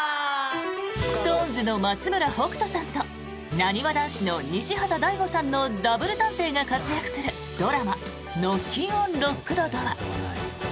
ＳｉｘＴＯＮＥＳの松村北斗さんとなにわ男子の西畑大吾さんのダブル探偵が活躍するドラマ「ノッキンオン・ロックドドア」。